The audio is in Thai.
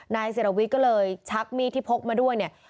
นายศิรวิทย์ก็เลยชักมีดที่พกมาด้วยเนี่ย